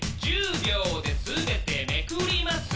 「１０秒で全てめくります」